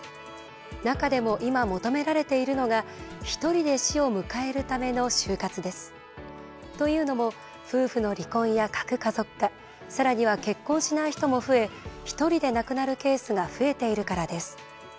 中でも今、求められているのがひとりで死を迎えるための終活です。というのも夫婦の離婚や核家族化さらには結婚しない人も増えひとりで亡くなるケースが増えているからです。